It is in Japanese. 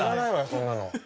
そんなの。